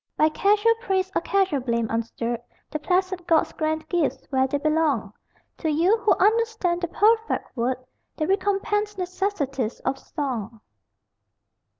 By casual praise or casual blame unstirred The placid gods grant gifts where they belong: To you, who understand, the perfect word, The recompensed necessities of song.